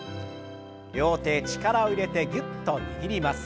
両手力を入れてぎゅっと握ります。